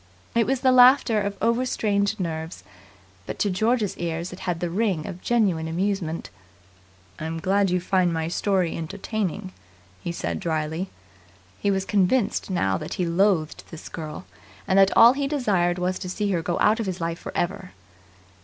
It was the laughter of over strained nerves, but to George's ears it had the ring of genuine amusement. "I'm glad you find my story entertaining," he said dryly. He was convinced now that he loathed this girl, and that all he desired was to see her go out of his life for ever.